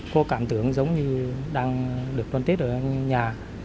cô cảm tưởng giống như đang được đón tết ở nhà